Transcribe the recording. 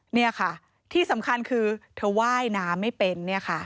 นี่ค่ะที่สำคัญคือเธอว่ายน้ำไม่เป็น